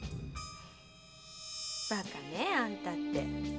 バカねえあんたって。